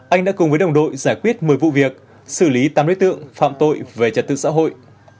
anh đã cùng với đồng đội giải quyết một mươi vụ việc xử lý tám đối tượng phạm tội về trật tự xã hội